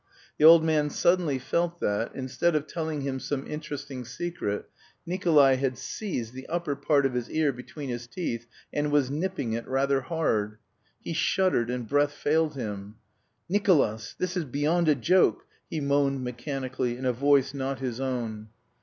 The old man suddenly felt that, instead of telling him some interesting secret, Nikolay had seized the upper part of his ear between his teeth and was nipping it rather hard. He shuddered, and breath failed him. "Nicolas, this is beyond a joke!" he moaned mechanically in a voice not his own.